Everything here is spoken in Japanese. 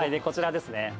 こちらですね